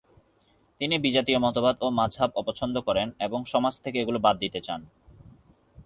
তিনি বিজাতীয় মতবাদ ও মাযহাব অপছন্দ করেন এবং সমাজ থেকে এগুলো বাদ দিতে চান।